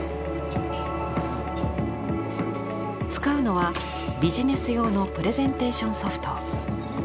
使うのはビジネス用のプレゼンテーションソフト。